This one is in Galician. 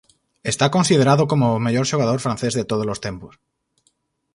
Está considerado como o mellor xogador francés de tódolos tempos.